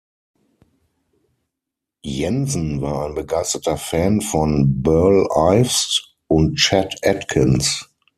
Jensen war ein begeisterter Fan von Burl Ives und Chet Atkins.